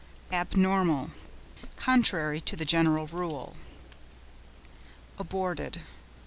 ABNORMAL.—Contrary to the general rule. ABORTED.